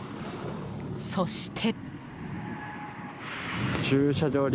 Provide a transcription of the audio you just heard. そして。